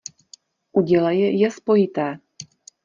Udělej je spojité.